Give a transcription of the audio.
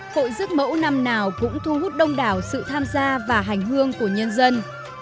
hội giấc mẫu năm nào cũng thu hút đông đảo sự tham gia và hành hương của nhân dân